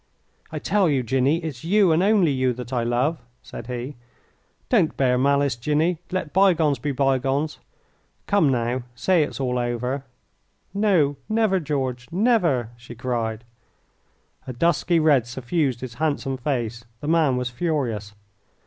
"I tell you, Jinny, it's you and only you that I love," said he. "Don't bear malice, Jinny. Let by gones be by gones. Come now, say it's all over." "No, never, George, never!" she cried. A dusky red suffused his handsome face. The man was furious.